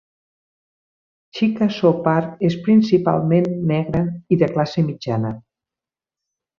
Chickasaw Park és principalment negre i de classe mitjana.